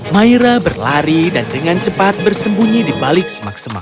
maira berlari dan dengan cepat bersembunyi di balik semak semak